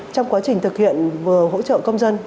trong quá trình thực hiện vừa hỗ trợ công dân